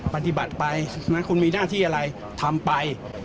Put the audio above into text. ปฏิบัติไปคุณมีหน้าที่อะไรทำไป